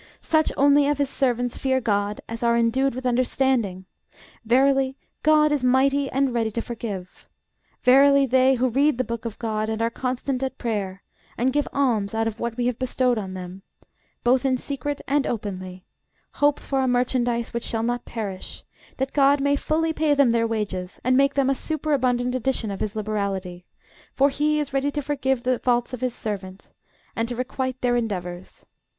Such only of his servants fear GOD as are endued with understanding: verily GOD is mighty and ready to forgive. Verily they who read the book of GOD, and are constant at prayer, and give alms out of what we have bestowed on them, both in secret and openly, hope for a merchandise which shall not perish: that God may fully pay them their wages, and make them a superabundant addition of his liberality; for he is ready to forgive the faults of his servants, and to requite their endeavors.